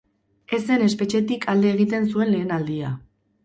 Ez zen espetxetik alde egiten zuen lehen aldia.